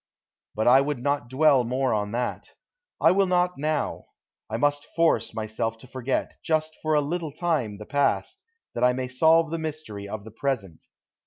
But I would not dwell more on that. I will not now. I must force myself to forget, just for a little time, the past, that I may solve the mystery of the present.